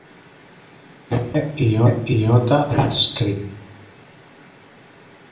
Tiene iota adscrita.